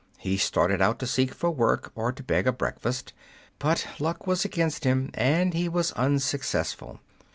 He started out to seek for work or to beg a breakfast; but luck was against him, and he was unsuccessful.